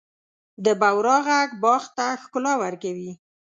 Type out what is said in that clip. د بورا ږغ باغ ته ښکلا ورکوي.